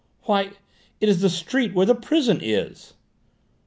"Why, it is the street where the prison is!"